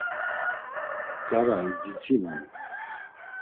Bgara idzitsineni?